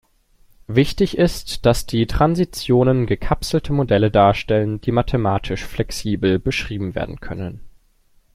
Wichtig ist, dass die Transitionen gekapselte Modelle darstellen, die mathematisch flexibel beschrieben werden können.